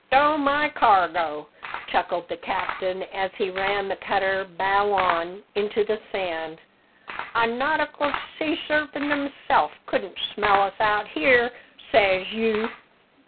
"Stow my cargo!" chuckled the captain, as he ran the cutter bow on into the sand, "a nautical sea sarpent himself couldn't smell us out here, says you.